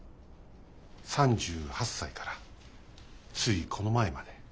３８歳からついこの前まで。